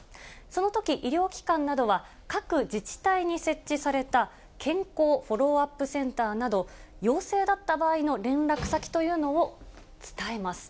そのとき、医療機関などは各自治体に設置された健康フォローアップセンターなど、陽性だった場合の連絡先というのを伝えます。